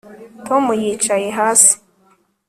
Tom yicaye hasi